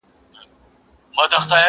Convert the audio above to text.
څه پروا که مي په ژوند کي یا خندلي یا ژړلي٫